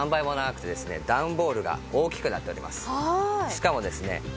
しかもですね